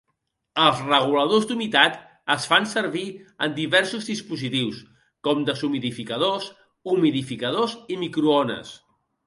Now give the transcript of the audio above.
Els reguladors d'humitat es fan servir en diversos dispositius, com deshumidificadors, humidificadors i microones.